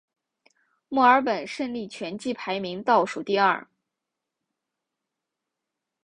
墨尔本胜利全季排名倒数第二。